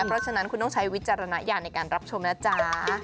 เพราะฉะนั้นคุณต้องใช้วิจารณญาณในการรับชมนะจ๊ะ